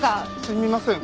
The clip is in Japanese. すみません。